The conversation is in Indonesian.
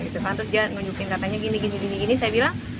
terus dia nunjukin katanya gini gini saya bilang